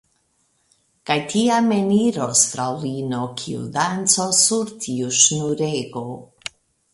Kaj tiam eniros fraŭlino, kiu dancos sur tiu ŝnurego.